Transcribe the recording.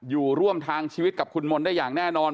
อยู่ร่วมทางชีวิตกับคุณมนต์ได้อย่างแน่นอน